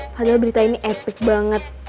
padahal berita ini epic banget